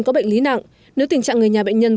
có bệnh lý nặng nếu tình trạng người nhà bệnh nhân